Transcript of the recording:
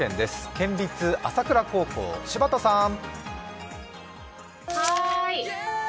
県立朝倉高校・柴田さん。